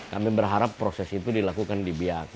kami berharap proses itu dilakukan di biak